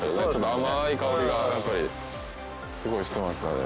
甘い香りがやっぱりすごいしてました。